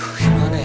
aduh gimana ya